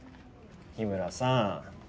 日村さん